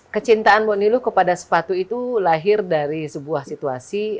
kecintaan bonelu kepada sepatu itu lahir dari sebuah situasi